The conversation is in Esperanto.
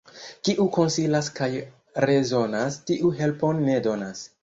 Kiu konsilas kaj rezonas, tiu helpon ne donas.